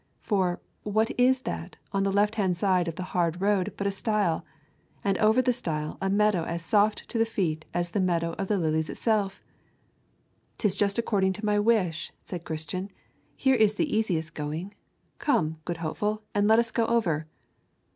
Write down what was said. For, what is that on the left hand of the hard road but a stile, and over the stile a meadow as soft to the feet as the meadow of lilies itself? ''Tis just according to my wish,' said Christian; 'here is the easiest going. Come, good Hopeful, and let us go over.'